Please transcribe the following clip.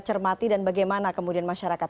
cermati dan bagaimana kemudian masyarakat